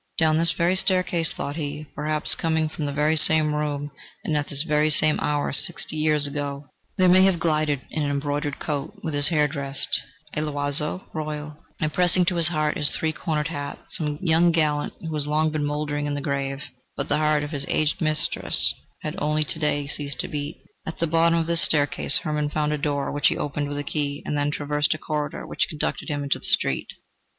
"Down this very staircase," thought he, "perhaps coming from the very same room, and at this very same hour sixty years ago, there may have glided, in an embroidered coat, with his hair dressed √Ý l'oiseau royal and pressing to his heart his three cornered hat, some young gallant, who has long been mouldering in the grave, but the heart of his aged mistress has only to day ceased to beat..." At the bottom of the staircase Hermann found a door, which he opened with a key, and then traversed a corridor which conducted him into the street.